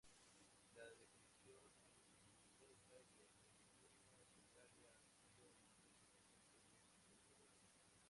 La definición rigurosa de "economía solidaria" ha sido y es sujeto de controversias.